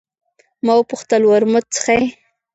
ما وپوښتل: ورموت څښې؟